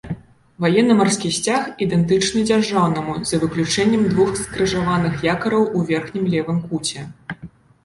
Ваенна-марскі сцяг ідэнтычны дзяржаўнаму, за выключэннем двух скрыжаваных якараў у верхнім левым куце.